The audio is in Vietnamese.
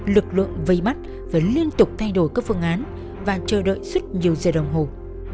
lực lượng vây mắt và liên tục thay đổi các phương án và chờ đợi suốt nhiều giờ đồng hồ